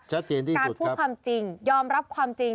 ชัดเจนที่สุดครับการพูดความจริงยอมรับความจริง